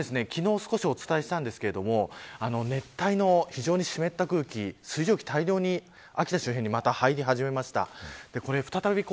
これが昨日少しお伝えしたんですが熱帯の非常に湿った空気水蒸気が大量に秋田周辺にまた入り始めました。